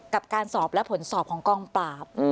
กับการสอบและผลสอบของกองปราบ